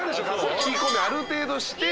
聞き込みある程度してよ。